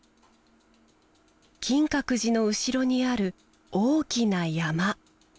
金閣寺の後ろにある大きな山。